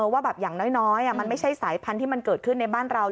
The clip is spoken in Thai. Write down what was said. ว่าแบบอย่างน้อยมันไม่ใช่สายพันธุ์ที่มันเกิดขึ้นในบ้านเรา